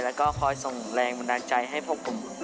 แล้วก็คอยส่งแรงบันดาลใจให้พวกผม